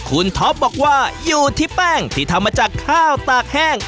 คุณท็อปบอกว่าอยู่ที่แป้งที่ทำมาจากข้าวตากแห้ง